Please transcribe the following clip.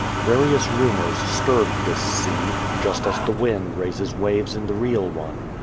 Various rumors stirred this sea, just as the wind raises waves in the real one.